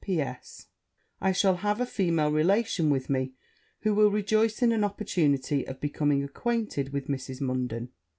P.S. I shall have a female relation with me, who will rejoice in an opportunity of becoming acquainted with Mrs. Munden.'